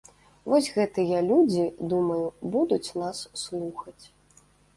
Вось гэтыя людзі, думаю, будуць нас слухаць.